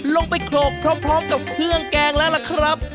ลงไปโขลกพร้อมกับเครื่องแกงแล้วล่ะครับ